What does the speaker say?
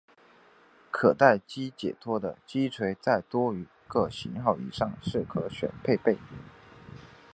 可待击解脱的击锤在多个型号以上是可选配备。